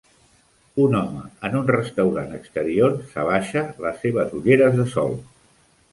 Un home en un restaurant exterior s"abaixa les seves ulleres de sol.